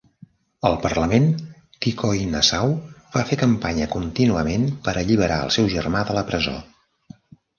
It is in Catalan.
Al parlament, Tikoinasau va fer campanya contínuament per alliberar el seu germà de la presó.